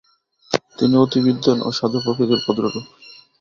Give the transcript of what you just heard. তিনি অতি বিদ্বান ও সাধুপ্রকৃতির ভদ্রলোক।